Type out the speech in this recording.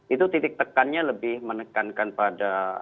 itu titik tekannya lebih menekankan pada